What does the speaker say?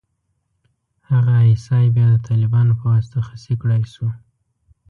هغه ای اس ای بيا د طالبانو په واسطه خصي کړای شو.